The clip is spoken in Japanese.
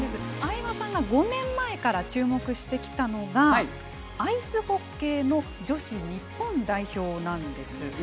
相葉さんが５年前から注目してきたのがアイスホッケーの女子日本代表なんです。